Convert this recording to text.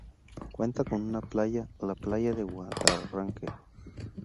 Cuenta con una playa, la playa de Guadarranque.